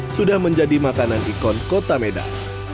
sudah menjadi makanan ikon kota medan